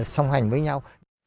sông hành với nhau